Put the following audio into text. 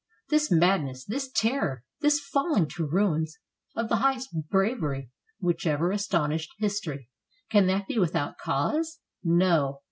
This madness, this terror, this falHng to ruins of the highest bravery which ever astonished history, can that be without cause? No.